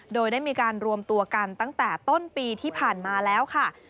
โดยได้มีการรวมตัวกันตั้งแต่ต้นปีที่ผ่านมาแล้วค่ะ